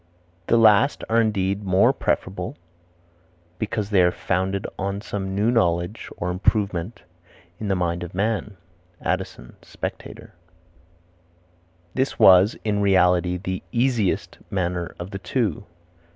"The last are indeed more preferable because they are founded on some new knowledge or improvement in the mind of man." Addison, Spectator. "This was in reality the easiest manner of the two."